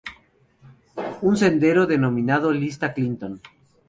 Un sendero denominado Lista Clinton.